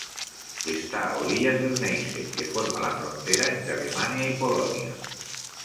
Esta a orillas del Neisse que forma la frontera entre Alemania y Polonia.